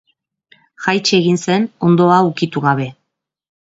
Jaitsi egin zen hondoa ukitu gabe.